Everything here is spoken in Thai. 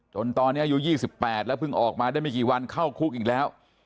จนตอนนี้อายุ๒๘แล้วเพิ่งออกมาได้ไม่กี่วันเข้าคุกอีกแล้ว